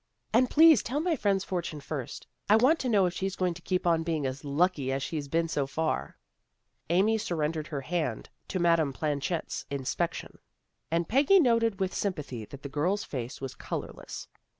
" And please tell my friend's fortune first. I want to know if she's going to keep on being as lucky as she has been so far." Amy surrendered her hand to Madame Planchet's inspection, and Peggy noted with sympathy that the girl's face was colorless.